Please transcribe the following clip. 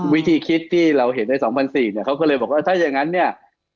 วิธีคิดที่เราเห็นใน๒๔๐๐เนี่ยเขาก็เลยบอกว่าถ้าอย่างนั้นเนี่ย